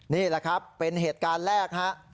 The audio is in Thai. นี่แหละครับเป็นเหตุการณ์แรกฮะ